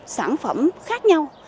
sản phẩm khác nhau